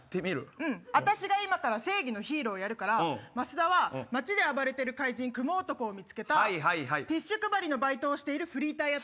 私が正義のヒーローやるから増田は街で暴れてる怪人クモ男を見つけたティッシュ配りのバイトをしてるフリーターやって。